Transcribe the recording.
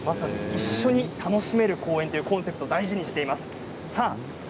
一緒に楽しめる公園というコンセプトを大事にしています。